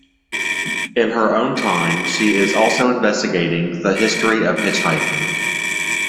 In her own time, she is also investigating the history of hitchhiking.